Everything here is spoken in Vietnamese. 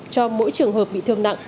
cho mỗi trường hợp bị thương nặng